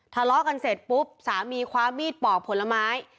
ทะเลาะกันเสร็จปุ๊บสามีคว้ามีดปอกผลไม้